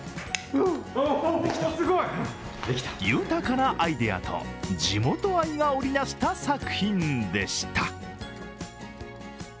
豊かなアイデアと地元愛が織りなした作品でした。